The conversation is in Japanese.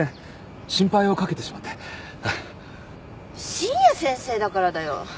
深夜先生だからだよ！